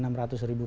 nah ini bagaimana